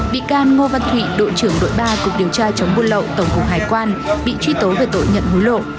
bị can ngô văn thụy đội trưởng đội ba cục điều tra chống buôn lậu tổng cục hải quan bị truy tố về tội nhận hối lộ